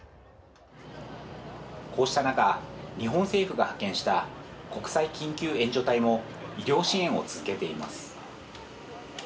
こうした中、日本政府が派遣した国際緊急援助隊も医療支援を続けています。